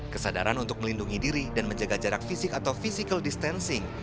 kesadaran untuk melindungi diri dan menjaga jarak fisik atau physical distancing